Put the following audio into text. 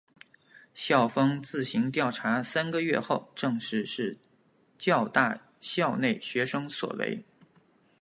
校方自行调查三个月后证实是教大校内学生所为。